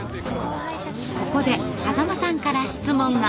ここで風間さんから質問が。